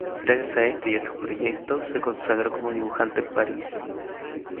Gracias a este y a otros proyectos se consagró como dibujante en París.